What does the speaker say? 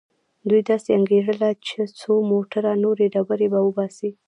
دوی داسې انګېرله چې څو موټره نورې ډبرې به وباسي.